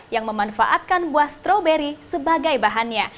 yang memanfaatkan buah stroberi sebagai bahannya